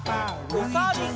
おさるさん。